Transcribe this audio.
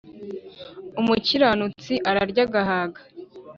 umukiranutsi ararya agahaga,